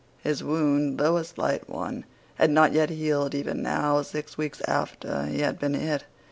His wound, though a slight one, had not yet healed even now, six weeks after he had been hit.